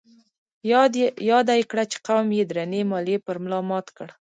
ياده يې کړه چې قوم يې درنې ماليې پر ملا مات کړ.